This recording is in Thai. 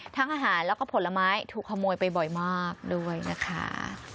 ทั้งอาหารแล้วก็ผลไม้ถูกขโมยไปบ่อยมากด้วยนะคะ